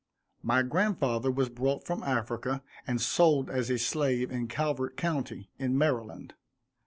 My grandfather was brought from Africa and sold as a slave in Calvert county, in Maryland.